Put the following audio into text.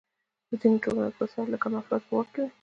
په ځینو ټولنو کې وسایل د کمو افرادو په واک کې وي.